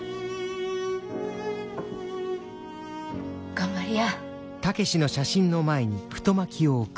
頑張りや。